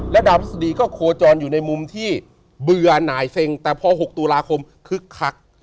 ดาวพฤษฎีก็โคจรอยู่ในมุมที่เบื่อหน่ายเซ็งแต่พอ๖ตุลาคมคึกคัก